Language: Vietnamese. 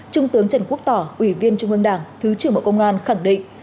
trung tướng trần quốc tỏ ủy viên trung ương đảng thứ trưởng bộ công an khẳng định